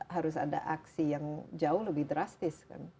harus ada aksi yang jauh lebih drastis kan